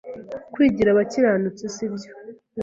Kwigira abakiranutsi sibyo